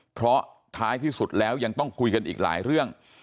เพราะท้ายที่สุดแล้วยังต้องคุยกันอีกหลายเรื่อง